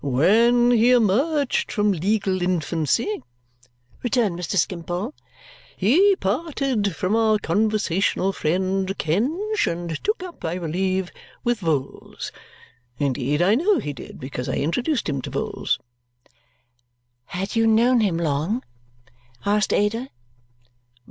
"When he emerged from legal infancy," returned Mr. Skimpole, "he parted from our conversational friend Kenge and took up, I believe, with Vholes. Indeed, I know he did, because I introduced him to Vholes." "Had you known him long?" asked Ada.